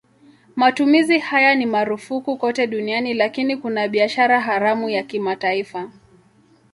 Matumizi haya ni marufuku kote duniani lakini kuna biashara haramu ya kimataifa.